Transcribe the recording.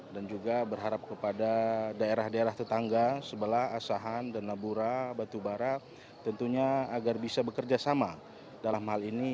juga berharap kepada daerah daerah tetangga sebelah asahan dan labura batubara tentunya agar bisa bekerja sama dalam hal ini